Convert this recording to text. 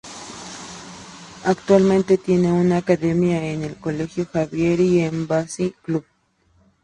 Actualmente tiene una academia en el Colegio Javier y Embassy Club.